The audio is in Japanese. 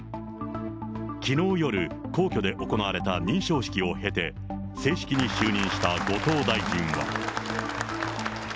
きのう夜、皇居で行われた認証式を経て、正式に就任した後藤大臣は。